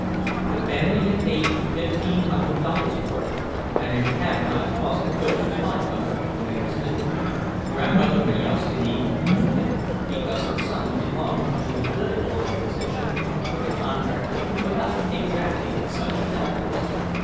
The family had paid fifteen hundred dollars for it, and it had not cost the builders five hundred, when it was new. Grandmother Majauszkiene knew that because her son belonged to a political organization with a contractor who put up exactly such houses.